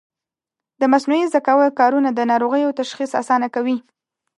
د مصنوعي ذکاوت کارونه د ناروغیو تشخیص اسانه کوي.